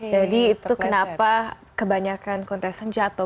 jadi itu kenapa kebanyakan penonton jatuh